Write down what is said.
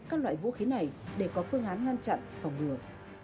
các loại vũ khí này để có phương án ngăn chặn phòng ngừa